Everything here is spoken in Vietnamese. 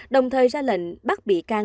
đồng thời ra lệnh bắt bị can